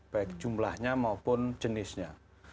baik jumlahnya maupun jenisnya